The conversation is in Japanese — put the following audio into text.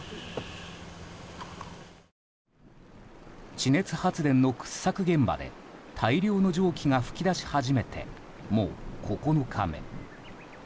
地熱発電の掘削現場で大量の蒸気が噴き出し始めてもう９日目。